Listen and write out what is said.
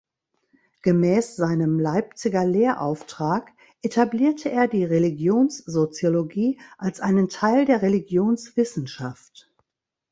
Gemäß seinem Leipziger Lehrauftrag etablierte er die Religionssoziologie als einen Teil der Religionswissenschaft.